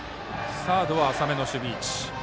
サードは浅めの守備位置。